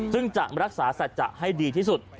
ซึ่งจะรักษาสัจจะให้ดีที่สุด